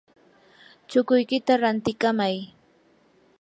chukuykita rantikamay.